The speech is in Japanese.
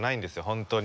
本当に。